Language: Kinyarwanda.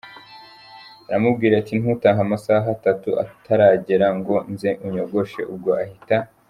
aramubwira ati ntutahe amasaha atatu ataragera ngo nze unyogoshe, ubwo ahita.